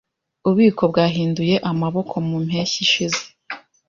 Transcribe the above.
Ububiko bwahinduye amaboko mu mpeshyi ishize.